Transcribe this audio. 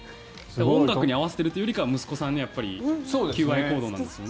音楽に合わせているというより息子さんへの求愛行動なんですね。